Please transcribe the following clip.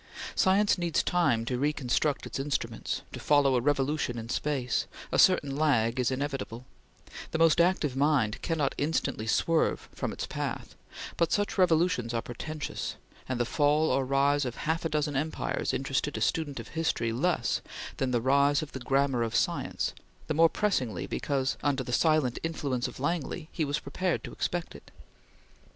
Science needs time to reconstruct its instruments, to follow a revolution in space; a certain lag is inevitable; the most active mind cannot instantly swerve from its path; but such revolutions are portentous, and the fall or rise of half a dozen empires interested a student of history less than the rise of the "Grammar of Science," the more pressingly because, under the silent influence of Langley, he was prepared to expect it.